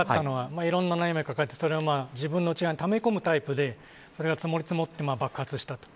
いろんな悩みを抱えて自分の内側にため込むタイプでそれが積もり積もって爆発したと。